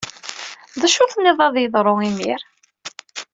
D acu teniḍ ad yeḍru imir?